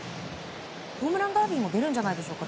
ホームランダービーも出るんじゃないでしょうか。